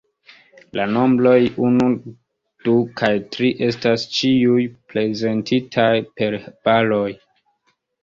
La nombroj unu, du kaj tri estas ĉiuj prezentitaj per baroj.